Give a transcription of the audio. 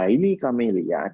ini kami lihat